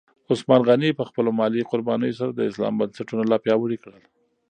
عثمان غني په خپلو مالي قربانیو سره د اسلام بنسټونه لا پیاوړي کړل.